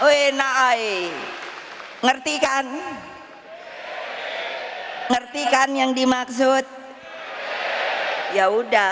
we naik ngerti kan ngerti kan yang dimaksud ya udah